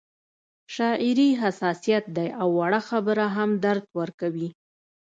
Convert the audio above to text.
شاعري حساسیت دی او وړه خبره هم درد ورکوي